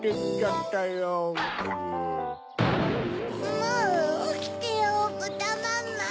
もうおきてよぶたまんまん！